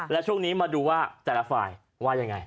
และช่วงนี้มาดูว่าแต่ละฝ่ายว่ายังไง